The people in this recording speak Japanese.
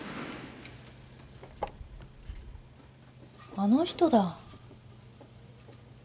・あの人だ。